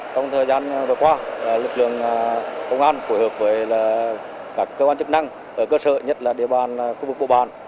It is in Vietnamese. trong thời gian vừa qua lực lượng công an phối hợp với các cơ quan chức năng cơ sở nhất là địa bàn khu vực bồ bản